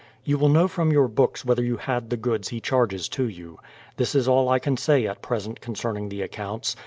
You will know from your books whether you had the goods he charges to you. This is all I can say at present concerning the accounts.